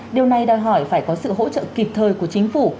điều này đòi hỏi phải có sự hỗ trợ kịp thời của chính phủ